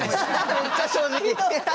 めっちゃ正直！